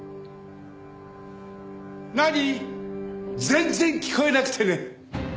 全然聞こえなくてね。